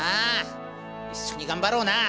一緒に頑張ろうな！